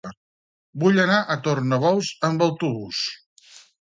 Vull anar a Tornabous amb autobús.